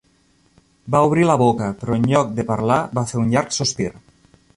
Va obrir la boca, però en lloc de parlar va fer un llarg sospir.